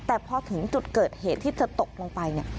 แต่พอถึงจุดเกิดเหตุที่เธอตกลงไปเนี่ย